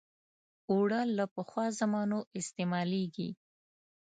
اوړه له پخوا زمانو استعمالېږي